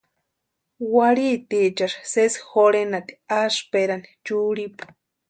Warhitiechasï sési jorhenati asïperani churhipu.